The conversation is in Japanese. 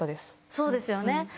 そうですよね。